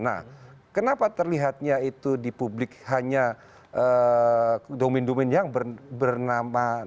nah kenapa terlihatnya itu di publik hanya domain domin yang bernama